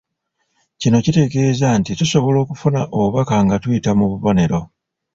Kino kitegeeza nti tusobola okufuna obubaka nga tuyita mu bubonero.